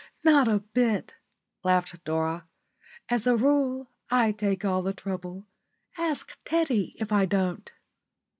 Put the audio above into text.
"Not a bit," laughed Dora. "As a rule, I take all the trouble. Ask Teddy if I don't."